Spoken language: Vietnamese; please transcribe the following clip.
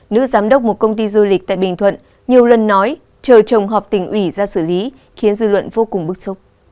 nữ giám đốc một công ty du lịch tại bình thuận nhiều lần nói chờ chồng họp tỉnh ủy ra xử lý khiến dư luận vô cùng bức xúc